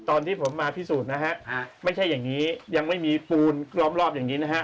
ตอนที่ผมมาพิสูจน์นะฮะไม่ใช่อย่างนี้ยังไม่มีปูนล้อมรอบอย่างนี้นะฮะ